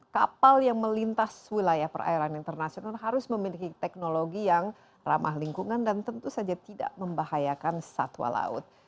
kapal yang melintas wilayah perairan internasional harus memiliki teknologi yang ramah lingkungan dan tentu saja tidak membahayakan satwa laut